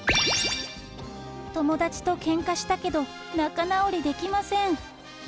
友達とけんかしたけど、仲直りできません。